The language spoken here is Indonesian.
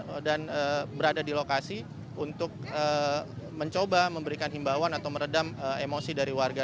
ada yang tidak tidur semalaman dan berada di lokasi untuk mencoba memberikan himbauan atau meredam emosi dari warga